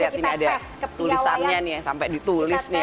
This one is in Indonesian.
lihat ini ada tulisannya nih yang sampai ditulis nih